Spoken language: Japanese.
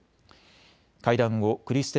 会談後、クリステ